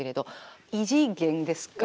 異次元ですか？